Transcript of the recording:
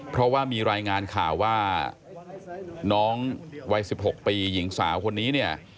เพราะว่ามีรายงานข่าวว่าน้องวัย๑๖ปีหญิงสาวคนนี้เนี่ย